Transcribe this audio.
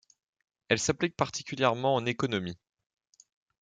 Elle s'applique particulièrement en économie.